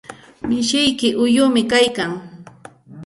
Mishiyki uyumi kaykan.